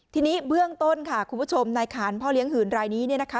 ทีนี้เบื้องต้นค่ะคุณผู้ชมนายขานพ่อเลี้ยงหื่นรายนี้เนี่ยนะคะ